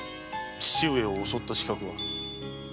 父上を襲った刺客は？